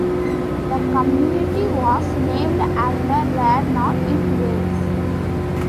The community was named after Radnor, in Wales.